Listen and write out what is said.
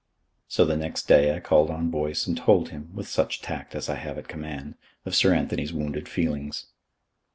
So the next day I called on Boyce and told him, with such tact as I have at command, of Sir Anthony's wounded feelings.